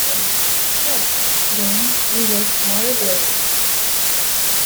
Shout, then, and wake Waterbury.